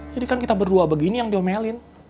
kan kita berdua begini yang diomelin